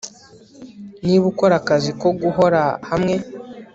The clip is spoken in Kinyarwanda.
Niba ukora akazi ko guhora hamwe